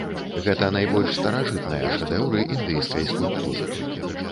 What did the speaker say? Гэта найбольш старажытныя шэдэўры індыйскай скульптуры.